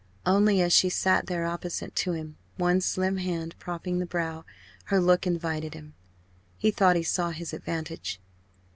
Only, as she sat there opposite to him, one slim hand propping the brow, her look invited him. He thought he saw his advantage.